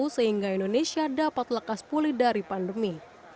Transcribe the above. sehingga indonesia dapat lekas pulih dari pandemi